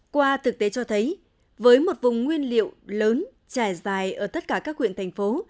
qua thực tế cho thấy với một vùng nguyên liệu lớn trải dài ở tất cả các huyện thành phố